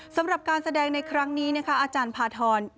สำหรับการแสดงในครั้งนี้นะคะอาจารย์พาทร